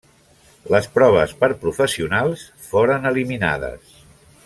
Les proves per professionals foren eliminades.